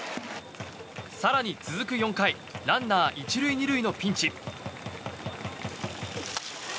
更に続く４回ランナー１塁２塁のピンチ。